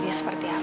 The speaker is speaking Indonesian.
ia menutup rilian